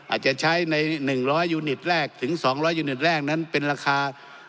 อาจจะใช้ใน๑๐๐ยูนิตแรกถึง๒๐๐ยูนิตแรกนั้นเป็นราคา